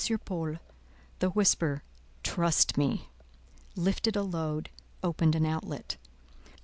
Paul, the whisper, "Trust me!" lifted a load, opened an outlet.